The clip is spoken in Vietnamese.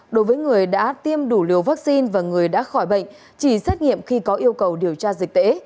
đối với người đã tiêm đủ liều vaccine và người đã khỏi bệnh chỉ xét nghiệm khi có yêu cầu điều tra dịch tễ